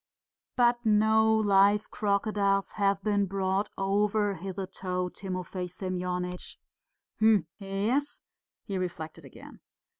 "But no live crocodiles have been brought over hitherto, Timofey Semyonitch." "Hm ... yes," he reflected again.